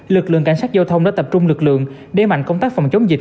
lực lượng cảnh sát giao thông đã tập trung lực lượng để mạnh công tác phòng chống dịch